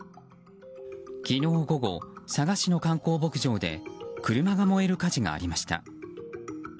昨日午後、佐賀市の観光牧場で車が燃える火事がありました。